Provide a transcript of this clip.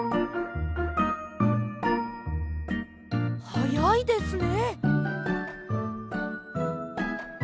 はやいですね。